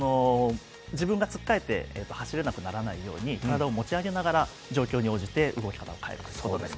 自分がつっかえて走れなくならないように体を持ち上げながら状況に応じて動き方を変えます。